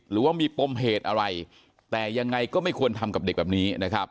หรือว่ามีปมเหตุอะไรแต่ยังไงก็ไม่ควรทำกับเด็กแบบนี้นะครับ